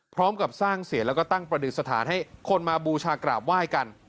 พร้อมกับสร้างเสียแล้วก็ตั้งประดิษฐานให้คนมาบูชากราบไหว้กัน